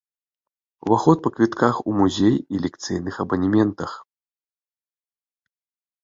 Уваход па квітках у музей і лекцыйных абанементах.